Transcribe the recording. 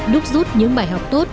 đúc rút những bài học tốt